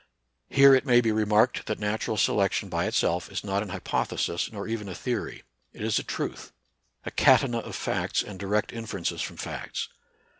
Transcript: Here, it may be remarked that natural selec tion by itself is not an. hypothesis, nor even a theory. It is a truth, — a catena of facts and direct inferences from facts.